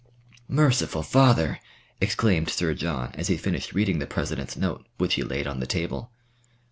"Merciful Father!" exclaimed Sir John, as he finished reading the President's note, which he laid on the table.